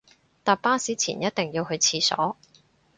搭巴士前一定要去廁所